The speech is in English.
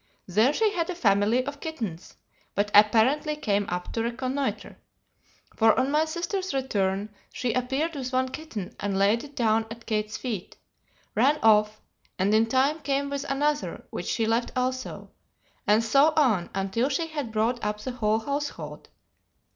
There she had a family of kittens, but apparently came up to reconnoitre, for on my sister's return, she appeared with one kitten and laid it down at Kate's feet; ran off, and in time came with another which she left also, and so on until she had brought up the whole household.